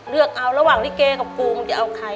เลือกเอาระหว่างลิเกกับฟูมจะเอาใคร